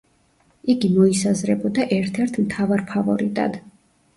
იგი მოისაზრებოდა ერთ-ერთ მთავარ ფავორიტად.